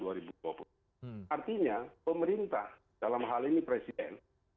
artinya pemerintah dalam hal ini presiden